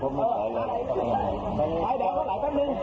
ไปไหนก็ไหลแป๊บหนึ่ง